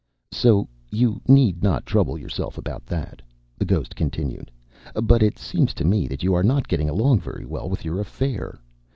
"So you need not trouble yourself about that," the ghost continued; "but it seems to me that you are not getting along very well with your affair.